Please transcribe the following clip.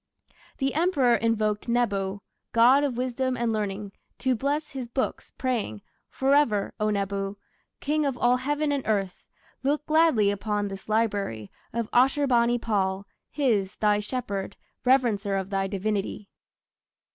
The Emperor invoked Nebo, god of wisdom and learning, to bless his "books", praying: Forever, O Nebo, King of all heaven and earth, Look gladly upon this Library Of Ashur bani pal, his (thy) shepherd, reverencer of thy divinity.